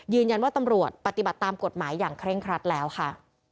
ตำรวจปฏิบัติตามกฎหมายอย่างเคร่งครัดแล้วค่ะ